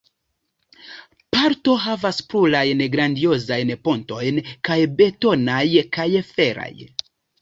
Porto havas plurajn grandiozajn pontojn – kaj betonaj, kaj feraj.